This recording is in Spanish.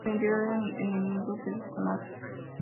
La identidad del enemigo se desconoce.